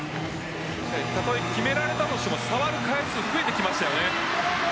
決められたとしても触る回数増えてきましたよね。